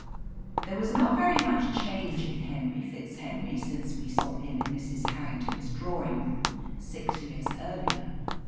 There was not very much change in Henry FitzHenry since we saw him in Mrs. Harrington's drawing room six years earlier.